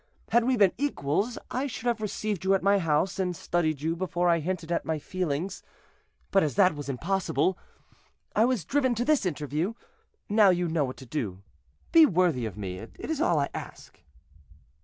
Had we been equals, I should have received you at my house, and studied you before I hinted at my feelings; but as that was impossible, I was driven to this interview; now you know what to do; be worthy of me, it is all I ask."